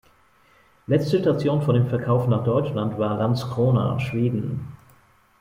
Letzte Station vor dem Verkauf nach Deutschland war Landskrona, Schweden.